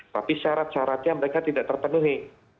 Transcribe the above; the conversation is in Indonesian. tapi syarat syaratnya mereka tidak terpenuhi